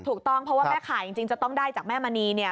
ถูกต้องเพราะว่าแม่ขายจริงจะต้องได้จากแม่มณีเนี่ย